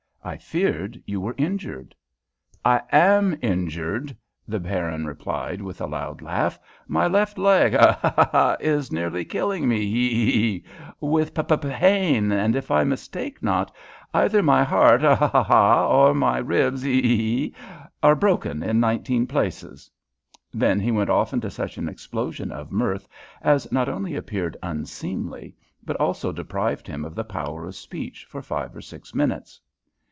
I feared you were injured." "I am injured," the Baron replied, with a loud laugh. "My left leg ha ha ha! is nearly killing me hee hee! with p pain, and if I mistake not, either my heart ha ha ha ha! or my ribs hee hee hee! are broken in nineteen places." Then he went off into such an explosion of mirth as not only appeared unseemly, but also deprived him of the power of speech for five or six minutes.